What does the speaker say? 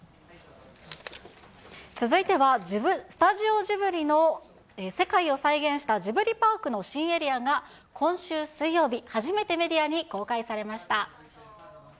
続いては、スタジオジブリの世界を再現したジブリパークの新エリアが、今週水曜日、初めてメディアに公開されました。